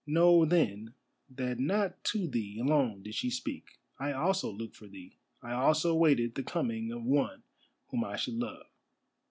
Know, then, that not to thee alone did she speak. I also looked for thee. I also waited the coming of one whom I should love.